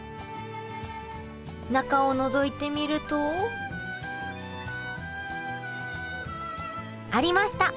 中をのぞいてみるとありました！